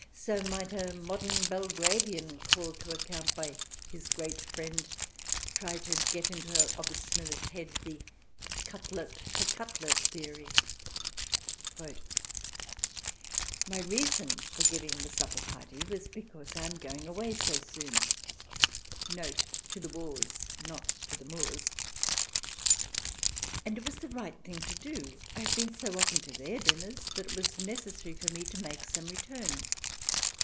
So might a modern Belgravian, called to account by " his great friend," try to get into her obstinate head the " cutlet for cutlet " theory : "My reason for giving the supper party was because I am going away so soon " (to the wars, not to the moors), " and it was the right thing to do. I have been so often to their dinners that it was necessary for me to make some return.